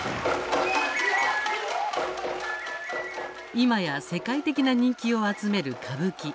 今や世界的な人気を集める歌舞伎。